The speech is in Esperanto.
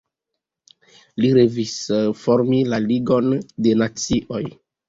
Li revis formi la Ligon de Nacioj.